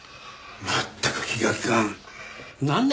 まったく気が利かん。